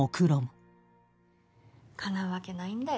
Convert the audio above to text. かなうわけないんだよ